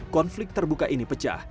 konflik terbuka ini pecah